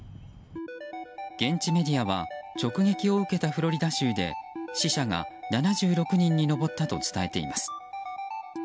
現地メディアは直撃を受けたフロリダ州で死者が７６人に上ったと伝えています。